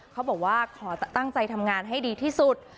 เขาบอกว่าขอตั้งใจทำงานให้ดีที่สุด